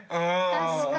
確かに。